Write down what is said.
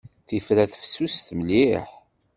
Tifrat fessuset mliḥ.